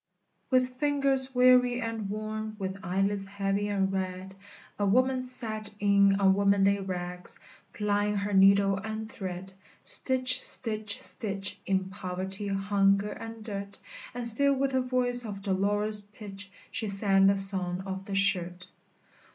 With fingers weary and worn, With eyelids heavy and red, A woman sat, in unwomanly rags, Plying her needle and thread, Stitch! stitch! stitch! In poverty, hunger, and dirt; And still with a voice of dolorous pitch She sang the "Song of the Shirt!"